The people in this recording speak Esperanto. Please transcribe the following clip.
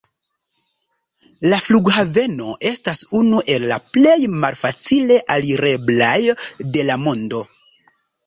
La flughaveno estas unu el la plej malfacile alireblaj de la mondo.